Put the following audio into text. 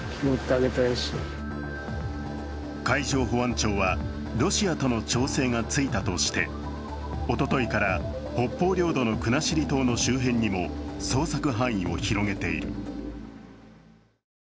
海上保安庁はロシアとの調整がついたとしておとといから北方領土の国後島の周辺にも捜索範囲を広げている。